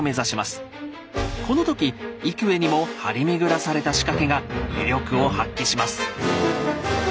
この時幾重にも張り巡らされた仕掛けが威力を発揮します。